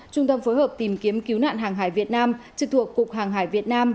trung tâm phối hợp tìm kiếm cứu nạn hàng hải việt nam trực thuộc cục hàng hải việt nam